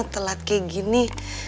telat kayak gini